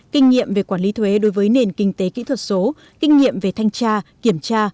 kinh nghiệm về quản lý thuế đối với nền kinh tế kỹ thuật số kinh nghiệm về thanh tra kiểm tra